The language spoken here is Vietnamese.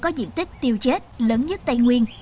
có diện tích tiêu chết lớn nhất tây nguyên